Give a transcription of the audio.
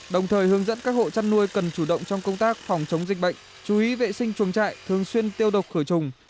đồng thời hướng dẫn các hộ chăn nuôi cần chủ động trong công tác phòng chống dịch bệnh chú ý vệ sinh chuồng trại thường xuyên tiêu độc khử trùng